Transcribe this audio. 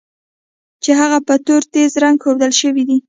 هغه چې په تور تېز رنګ ښودل شوي دي.